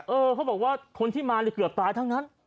เขาบอกว่าคนที่มาเกือบตายทั้งนั้น